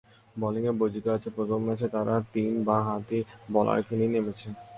বোলিংয়ে বৈচিত্র্য আছে, প্রথম ম্যাচে তারা তিন বাঁহাতি বোলারকে নিয়ে নেমেছে।